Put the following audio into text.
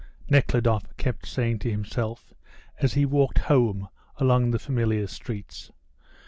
Nekhludoff kept saying to himself, as he walked home along the familiar streets.